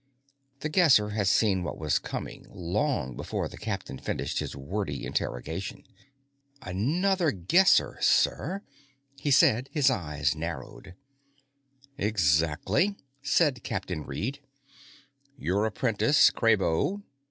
The Guesser had seen what was coming long before the captain finished his wordy interrogation. "Another Guesser, sir," he said. His eyes narrowed. "Exactly," said Captain Reed. "Your apprentice, Kraybo.